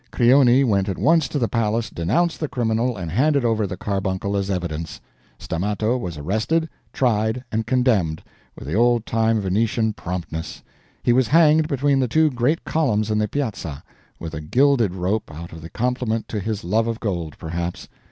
Crioni went at once to the palace, denounced the criminal, and handed over the carbuncle as evidence. Stammato was arrested, tried, and condemned, with the old time Venetian promptness. He was hanged between the two great columns in the Piazza with a gilded rope, out of compliment to his love of gold, perhaps.